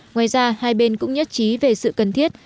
ngoài ra hai bên cũng nhất trí về sự cần thiết